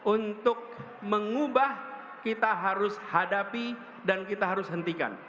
untuk mengubah kita harus hadapi dan kita harus hentikan